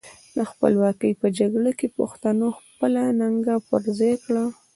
د خپلواکۍ په جګړه کې پښتنو خپله ننګه پر خای کړه.